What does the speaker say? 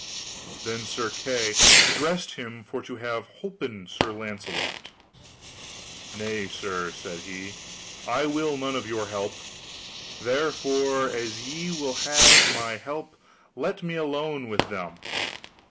Then Sir Kay dressed him for to have holpen Sir Launcelot. Nay, sir, said he, I will none of your help, therefore as ye will have my help let me alone with them.